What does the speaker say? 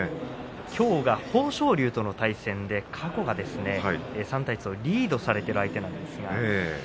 きょうは豊昇龍との対戦で過去は３対１とリードされています。